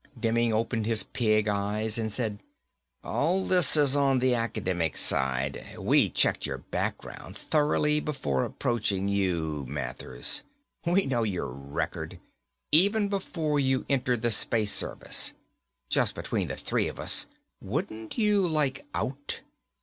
Demming opened his pig eyes and said, "All this is on the academic side. We checked your background thoroughly before approaching you, Mathers. We know your record, even before you entered the Space Service. Just between the three of us, wouldn't you like out?